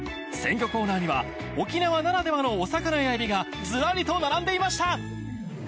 鮮魚コーナーには沖縄ならではのお魚やエビがずらりと並んでいました